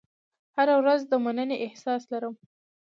هره ورځ د مننې احساس لرم.